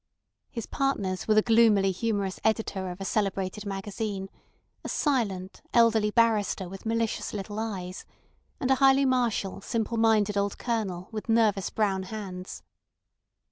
His partners were the gloomily humorous editor of a celebrated magazine; a silent, elderly barrister with malicious little eyes; and a highly martial, simple minded old Colonel with nervous brown hands.